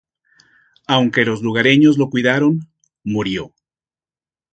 Aunque los lugareños lo cuidaron, murió.